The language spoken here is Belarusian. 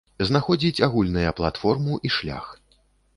Знаходзіць агульныя платформу і шлях.